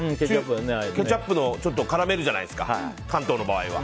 ケチャップをちょっと絡めるじゃないですか関東の場合は。